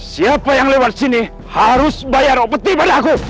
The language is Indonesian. siapa yang lewat sini harus bayar opetif pada aku